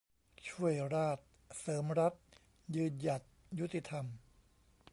ช่วยราษฎร์ เสริมรัฐ ยืนหยัดยุติธรรม